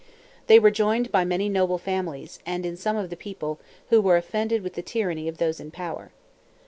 They were joined by many noble families, and some of the people, who were offended with the tyranny of those in power.